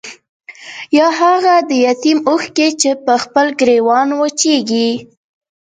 يا هاغه د يتيم اوښکې چې پۀ خپل ګريوان وچيږي